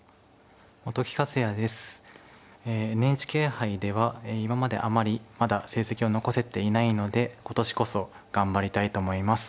ＮＨＫ杯では今まであまりまだ成績を残せていないので今年こそ頑張りたいと思います。